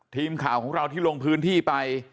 ทีมข่าวของเราที่ลงพื้นที่ไป